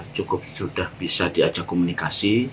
cukup sudah bisa diajak komunikasi